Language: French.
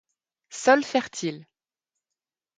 Sol fertile.